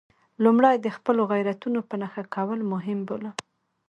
لومړی د خپلو غیرتونو په نښه کول مهم بولم.